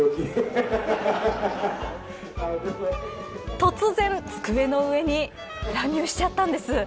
突然、机の上に乱入しちゃったんです。